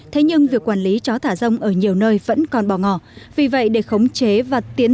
thế nhưng việc quản lý chó thả rông ở nhiều nơi vẫn còn bỏ ngỏ vì vậy để khống chế và tiến